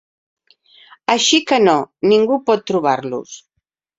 Així que no, ningú pot trobar-los!